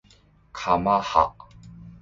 かまは